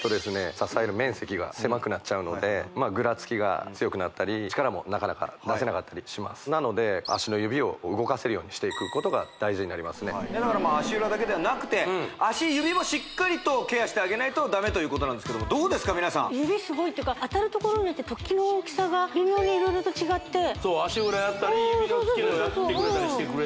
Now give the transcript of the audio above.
支える面積が狭くなっちゃうのでぐらつきが強くなったり力もなかなか出せなかったりしますなので足の指を動かせるようにしていくことが大事になりますねだからまあ足裏だけではなくて足指もしっかりとケアしてあげないとダメということなんですけどもどうですか皆さん指すごいっていうか当たる所によって突起の大きさが微妙に色々と違ってそう足裏やったり指のつけ根をやってくれたりしてくれるね